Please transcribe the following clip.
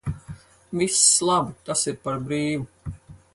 Viss labi, tas ir par brīvu.